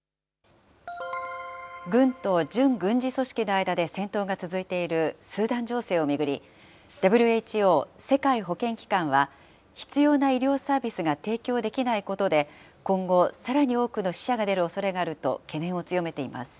軍と準軍事組織の間で戦闘が続いているスーダン情勢を巡り、ＷＨＯ・世界保健機関は必要な医療サービスが提供できないことで、今後、さらに多くの死者が出るおそれがあると懸念を強めています。